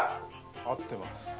合ってます。